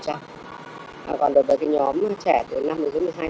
còn đối với nhóm trẻ từ năm một mươi hai tuổi